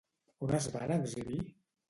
On es van exhibir?